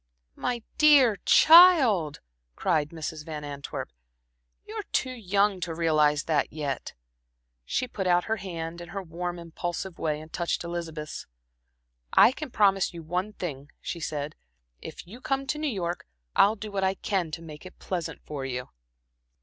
"My dear child," cried Mrs. Van Antwerp, "you're too young to realize that yet." She put out her hand in her warm, impulsive way, and touched Elizabeth's. "I can promise you one thing," she said. "If you come to New York, I'll do what I can to make it pleasant for you."